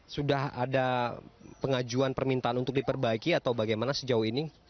sudah ada pengajuan permintaan untuk diperbaiki atau bagaimana sejauh ini